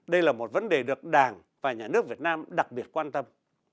đây là một vấn đề được đảng và nhà nước việt nam đặc biệt quan tâm